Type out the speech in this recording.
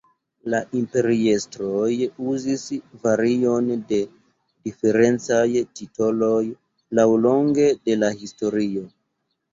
La imperiestroj uzis varion de diferencaj titoloj laŭlonge de la historio.